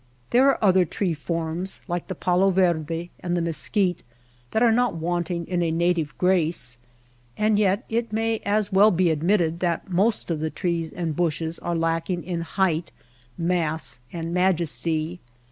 There are other tree forms, like the palo verde and the mesquite, that are not wanting in a native grace ; and yet it may as well be admitted that most of the trees and bushes are lacking in height, mass, and majesty.